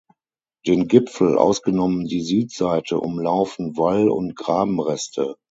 Den Gipfel, ausgenommen die Südseite, umlaufen Wall- und Grabenreste.